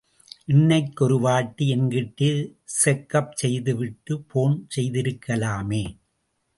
இன்னைக்கு ஒரு வாட்டி என்கிட்டே செக்கப் செய்துட்டு, போன் செய்திருக்கலாமே.